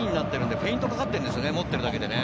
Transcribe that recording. フェイントがかかっているんですよね、持ってるだけで。